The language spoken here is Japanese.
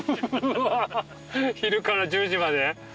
うわ昼から１０時まで？